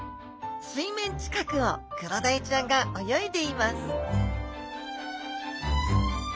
水面近くをクロダイちゃんが泳いでいます